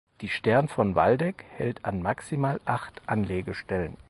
Die "Stern von Waldeck" hält an maximal acht Anlegestellen.